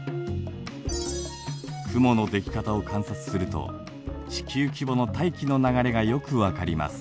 雲のでき方を観察すると地球規模の大気の流れがよく分かります。